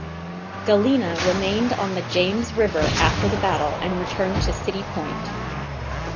"Galena" remained on the James River after the battle and returned to City Point.